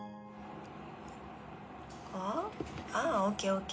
あＯＫＯＫ